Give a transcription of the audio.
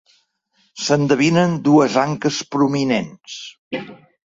S'endevinen dues anques prominents.